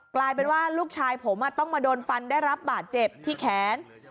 กลายเป็นว่าลูกชายผมต้องมาโดนฟันได้รับบาดเจ็บที่แขน